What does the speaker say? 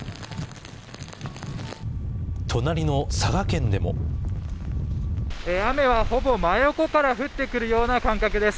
隣の佐賀県でも雨はほぼ真横から降ってくるような感覚です。